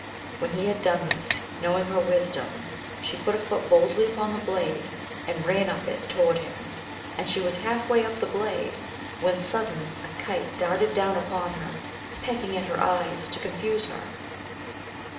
When he had done this, knowing her wisdom, she put a foot boldly upon the blade and ran up it toward him, and she was half way up the blade, when suddenly a kite darted down upon her, pecking at her eyes, to confuse her.